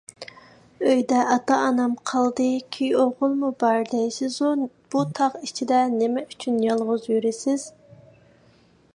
ئۆيدە ئاتا - ئانام قالدى، كۈيئوغۇلمۇ بار، دەيسىزۇ، بۇ تاغ ئىچىدە نېمە ئۈچۈن يالغۇز يۈرىسىز؟